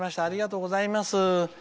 ありがとうございます。